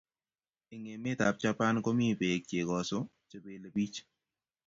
Eng emetab Japan komi beek chegosu chebelei biich